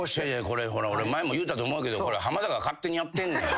これ俺前も言うたと思うけど浜田が勝手にやってんねん。